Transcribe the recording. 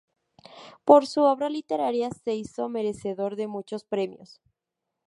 Por su obra literaria se hizo merecedor de muchos premios.